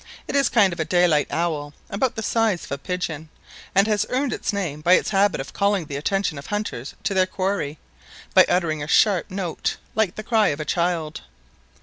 It is a kind of daylight owl, about the size of a pigeon, and has earned its name by its habit of calling the attention of hunters to their quarry, by uttering a sharp note like the cry of a child.